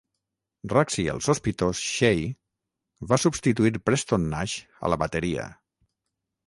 Racci "el Sospitós" Shay va substituir Preston Nash a la bateria.